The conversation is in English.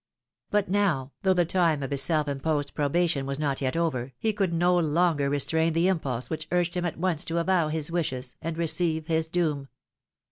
But now, though the time of his self imposed probation was not yet over, he could no longer restrain the impulse which urged Mm at once to avow his wishes, and receive his doom.